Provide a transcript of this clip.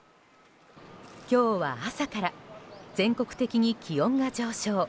今日は朝から全国的に気温が上昇。